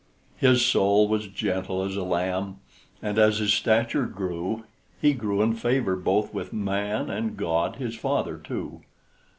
His soul was gentle as a lamb; And as his stature grew, He grew in favor both with man And God his father, too.